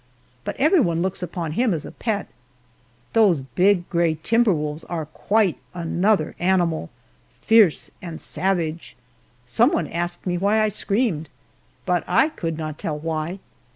But everyone looks upon him as a pet. Those big, gray timber wolves are quite another animal, fierce and savage. Some one asked me why I screamed, but I could not tell why.